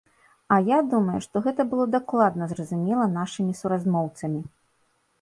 І я думаю, што гэта было дакладна зразумела нашымі суразмоўцамі.